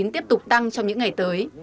tiếp tục tăng trong những ngày tới